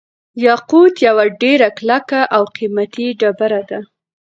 یاقوت یوه ډیره کلکه او قیمتي ډبره ده.